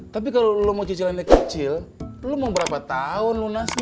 tapi kalau lo mau cicilannya kecil lo mau berapa tahun lunasnya